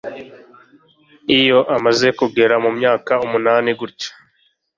iyo amaze kugera mu myaka umunani gutyo